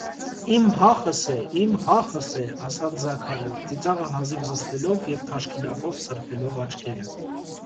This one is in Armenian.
- Իմ հա՛խս է, իմ հա՛խս է,- ասաց Զաքարը, ծիծաղը հազիվ զսպելով և թաշկինակով սրբելով աչքերը: